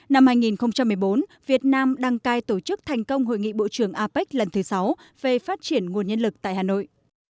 năm hai nghìn một mươi bốn việt nam đăng cai tổ chức thành công hội nghị bộ trưởng apec lần thứ sáu về phát triển nguồn nhân lực tại hà nội